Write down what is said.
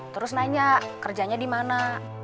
terus nanya kerjanya di mana